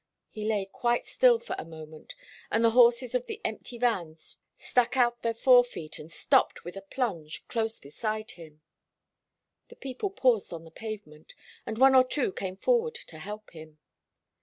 He lay quite still for a moment, and the horses of the empty van stuck out their fore feet and stopped with a plunge close beside him. The people paused on the pavement, and one or two came forward to help him.